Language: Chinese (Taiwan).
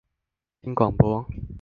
聽廣播